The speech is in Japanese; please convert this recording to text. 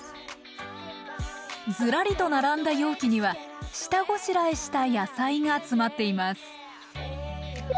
ずらりと並んだ容器には下ごしらえした野菜が詰まっています